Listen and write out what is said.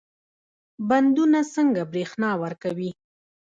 بندونه څنګه برښنا ورکوي؟